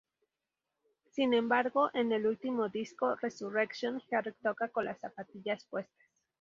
Sin embargo, en el último disco, "Resurrection", Herrick toca con las zapatillas puestas.